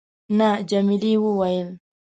نه. جميلې وويل:.